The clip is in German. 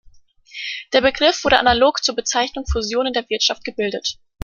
Der Begriff wurde analog zur Bezeichnung Fusion in der Wirtschaft gebildet.